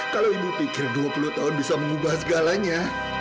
kalau ibu pikir dua puluh tahun bisa mengubah segalanya